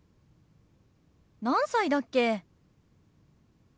何歳だっけ？